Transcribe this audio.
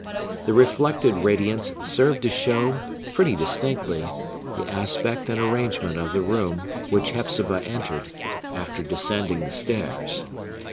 The reflected radiance served to show, pretty distinctly, the aspect and arrangement of the room which Hepzibah entered, after descending the stairs.